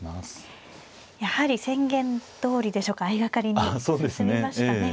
やはり宣言どおりでしょうか相掛かりに進みましたね。